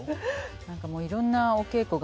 何かいろんなお稽古がね